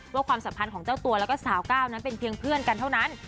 ความสัมพันธ์ของเจ้าตัวแล้วก็สาวก้าวนั้นเป็นเพียงเพื่อนกันเท่านั้น